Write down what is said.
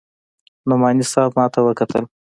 نعماني صاحب ما ته وکتل.